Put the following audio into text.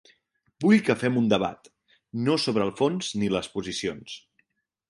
Vull que fem un debat, no sobre el fons ni les posicions.